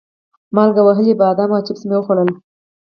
مالګه وهلي بادام او چپس مې وخوړل.